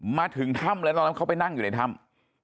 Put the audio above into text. มาถึงถ้ำแล้วตอนนั้นเขาไปนั่งอยู่ในถ้ำ